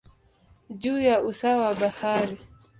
juu ya usawa wa bahari.